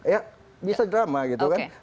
ya bisa drama gitu kan